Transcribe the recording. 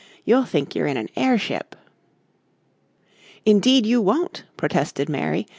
"You'll think you're in an airship." "Indeed you won't," protested Mary.